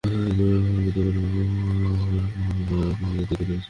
সামাজিক যোগাযোগের জনপ্রিয় ওয়েবসাইট ফেসবুক কর্তৃপক্ষ বিশেষ মোবাইল অ্যাপটি তৈরি করেছে।